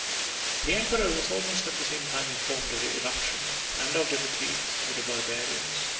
] The emperor was almost at the same time informed of the irruption, and of the retreat, of the barbarians.